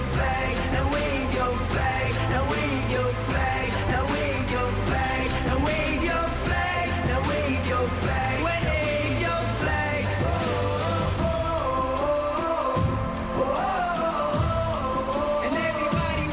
ท่านแรกครับจันทรุ่ม